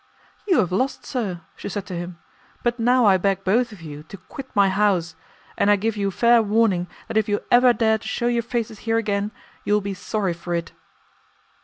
"You have lost, sir," she said to him; 'but now I beg both of you to quit my house, and I give you fair warning that if you ever dare to shew your faces here again, you will be sorry for it.